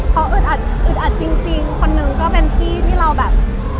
เพราะอึดอัดจริงคนหนึ่งก็เป็นพี่ที่เราแบบ